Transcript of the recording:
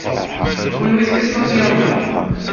Kenwi tekkatem apyanu.